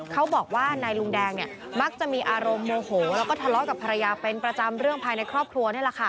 เขาบอกว่านายลุงแดงมักจะมีอารมณ์โมโหและทะเลาะกับภรรยาเป็นประจำเรื่องภายในครอบครัว